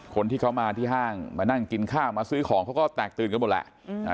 คนที่เขามาที่ห้างมานั่งกินข้าวมาซื้อของเขาก็แตกตื่นกันหมดแหละ